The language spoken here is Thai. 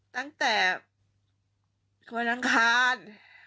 ตั้งแต่วันอังคาร